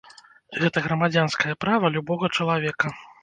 Гэта грамадзянскае права любога чалавека.